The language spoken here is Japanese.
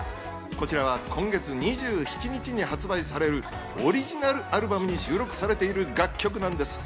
こちらは今月２７日に発売されるオリジナルアルバムに収録されている楽曲なんです。